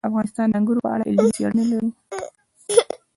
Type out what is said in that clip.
افغانستان د انګور په اړه علمي څېړنې لري.